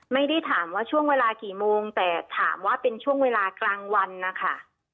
ไม่ได้ถามว่าช่วงเวลากี่โมงแต่ถามว่าเป็นช่วงเวลากลางวันนะคะ